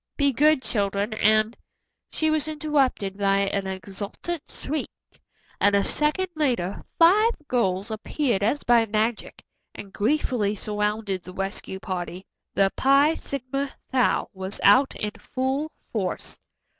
Be good children, and " She was interrupted by an exultant shriek, and a second later five girls appeared as by magic and gleefully surrounded the rescue party. The Phi Sigma Tau was out in full force.